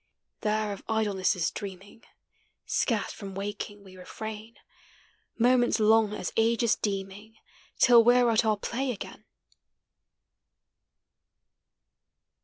There of idlenesses dreaming, Scarce from waking we refrain, Moments long as ages deeming Till we ? re at our play again.